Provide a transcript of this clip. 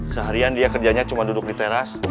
seharian dia kerjanya cuma duduk di teras